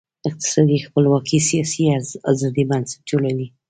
اقتصادي خپلواکي د سیاسي آزادۍ بنسټ جوړوي.